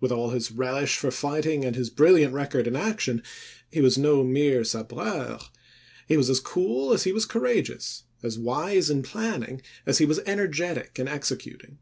With all his relish for fighting and his brilliant record in action, he was no mere sabreur ; he was as cool as he was cour ageous, as wise in planning as he was energetic in executing.